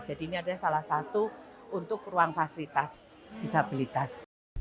jadi ini adalah salah satu untuk ruang fasilitas disabilitas